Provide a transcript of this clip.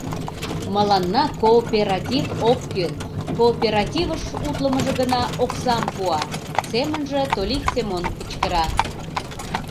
— Мыланна кооператив ок кӱл, кооперативыш утлымыжо гына оксам пуа! — семынже Толик Семон кычкыра...